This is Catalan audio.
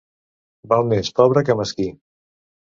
Val més pobre que mesquí.